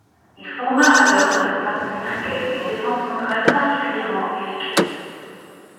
Il forma alors avec Max Merkel une défense centrale particulièrement efficace.